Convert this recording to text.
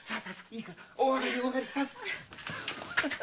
いいからお上がりお上がり！